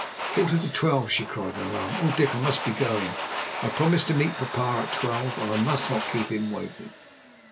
"A quarter to twelve!" she cried in alarm, "Oh, Dick, I must be going. I promised to meet papa at twelve, and I must not keep him waiting."